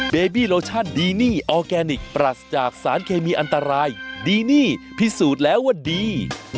เบบี้โลชั่นดีนี่ออร์แกนิคปรัสจากสารเคมีอันตรายดีนี่พิสูจน์แล้วว่าดี